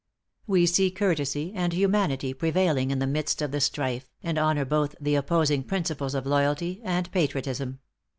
We see courtesy and humanity prevailing in the midst of the strife, and honor both the opposing principles of loyalty and patriotism.